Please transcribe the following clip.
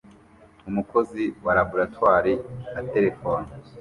Umukozi wa laboratoire aterefona